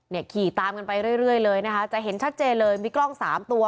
ขี่ตามกันไปเรื่อยเลยนะคะจะเห็นชัดเจนเลยมีกล้องสามตัว